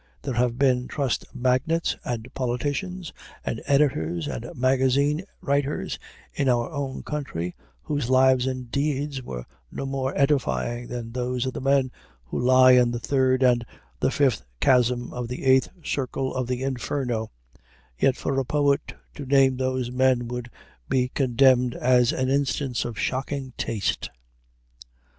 There have been trust magnates and politicians and editors and magazine writers in our own country whose lives and deeds were no more edifying than those of the men who lie in the third and the fifth chasm of the eighth circle of the Inferno; yet for a poet to name those men would be condemned as an instance of shocking taste.